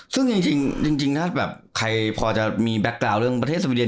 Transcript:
ซึ่งจริงถ้าแบบใครพอจะมีแก๊กกราวเรื่องประเทศสวีเดน